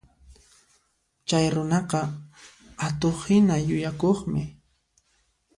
Chay runaqa atuqhina yukakuqmi